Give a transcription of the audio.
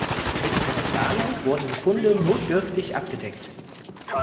Mit einer Plane wurden die Funde notdürftig abgedeckt.